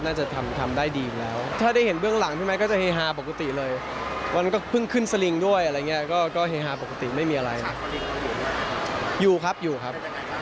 เท่าที่เราได้สัมผัสมาเรื่องงานพี่แอฟรึก็ได้ทำได้ดีอยู่แล้ว